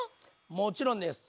もちろんです。